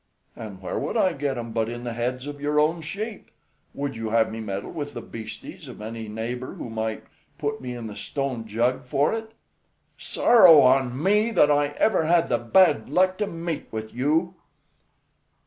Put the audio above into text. "An' where would I get 'em but in the heads of your own sheep? Would you have me meddle with the bastes of any neighbor, who might put me in the Stone Jug for it?" "Sorrow on me that ever I had the bad luck to meet with you."